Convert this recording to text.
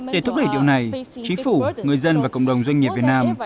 để thúc đẩy điều này chính phủ người dân và cộng đồng doanh nghiệp việt nam